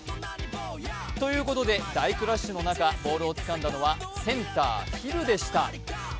ということで大クラッシュの中ボールをつかんだのはセンター・ヒルでした。